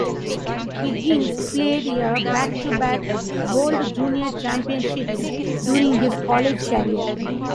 Higgins played in back-to-back World Junior Championships during his college career.